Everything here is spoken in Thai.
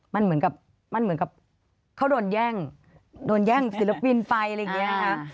มันเหมือนกับเขาโดนแย่งโดนแย่งศิลปินไปอะไรอย่างนี้ค่ะ